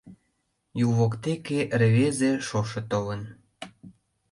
Юл воктеке рвезе шошо толын.